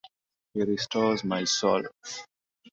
He restores my soul.